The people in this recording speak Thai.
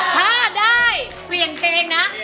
ถ้าได้เปลี่ยนเพลงนะ